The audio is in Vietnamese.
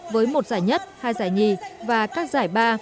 với một giải nhất hai giải nhì và các giải ba